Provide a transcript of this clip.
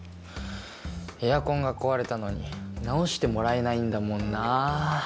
エアコンが壊れたのに直してもらえないんだもんな。